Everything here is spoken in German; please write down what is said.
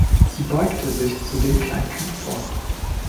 Sie beugte sich zu dem Kleinkind vor.